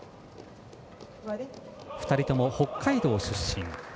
２人とも北海道出身。